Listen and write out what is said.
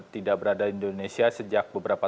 tidak berada di indonesia sejak beberapa